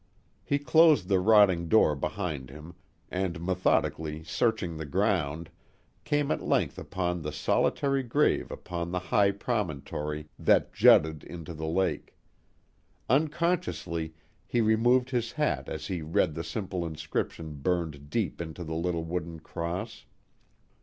He closed the rotting door behind him, and methodically searching the ground, came at length upon the solitary grave upon the high promontory that jutted into the lake. Unconsciously he removed his hat as he read the simple inscription burned deep into the little wooden cross.